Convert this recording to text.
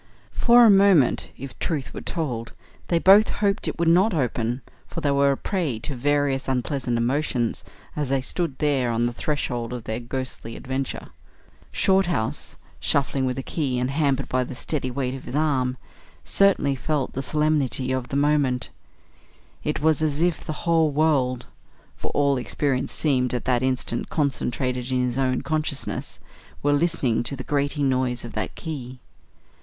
For a moment, if truth were told, they both hoped it would not open, for they were a prey to various unpleasant emotions as they stood there on the threshold of their ghostly adventure. Shorthouse, shuffling with the key and hampered by the steady weight on his arm, certainly felt the solemnity of the moment. It was as if the whole world for all experience seemed at that instant concentrated in his own consciousness were listening to the grating noise of that key.